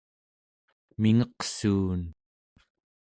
mingeqsuun